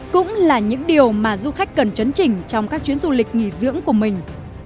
cũng là những điều mà du khách cần chấn chỉnh trong các chuyến du lịch nghỉ dưỡng của mình